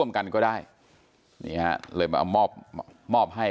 แม่น้องชมพู่แม่น้องชมพู่